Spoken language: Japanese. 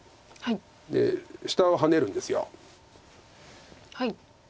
で下をハネるんです。